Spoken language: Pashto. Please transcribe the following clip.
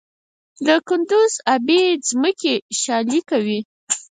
د کندز ابي ځمکې شالې کوي؟